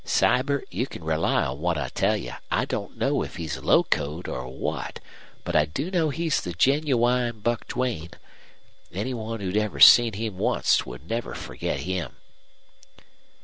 "Sibert, you can rely on what I tell you. I don't know if he's locoed or what. But I do know he's the genuine Buck Duane. Any one who'd ever seen him onct would never forget him."